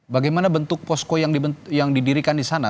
bagaimana bentuk posko yang didirikan di sana